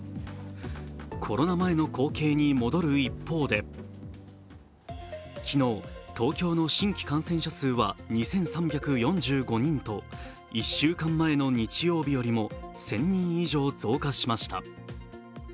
コロナ前の光景に戻る一方で昨日、東京の新規感染者数は２３４５人と１週間前の日曜日よりも１０００人以上増加しました。